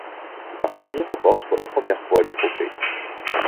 La Russie remporte pour la première fois le trophée.